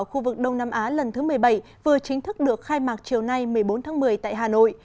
khu vực đông nam á lần thứ một mươi bảy vừa chính thức được khai mạc chiều nay một mươi bốn tháng một mươi tại hà nội